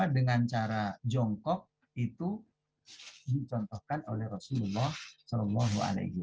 dengan cara jongkok itu dicontohkan oleh rasulullah saw